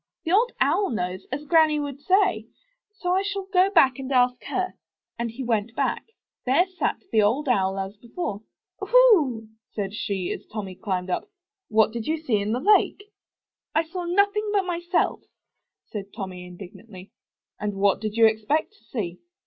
The Old Owl knows, as Granny would say; so I shall go back and ask her." And back he went. There sat the Old Owl as before. 0ohoo!" said she, as Tommy climbed up. 'What did you see in the lake?" *'I saw nothing but myself," said Tommy, indig nantly. ''And what did you expect to see?"